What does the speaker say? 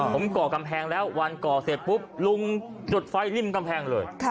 ผมก่อกำแพงแล้ววันก่อเสร็จปุ๊บลุงจุดไฟริมกำแพงเลย